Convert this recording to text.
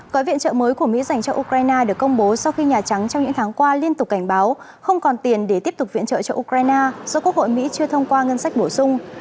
gói viện trợ mới của mỹ dành cho ukraine được công bố sau khi nhà trắng trong những tháng qua liên tục cảnh báo không còn tiền để tiếp tục viện trợ cho ukraine do quốc hội mỹ chưa thông qua ngân sách bổ sung